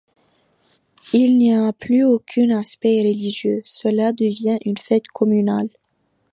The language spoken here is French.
Il n'y a plus aucun aspect religieux, cela devient une fête communale.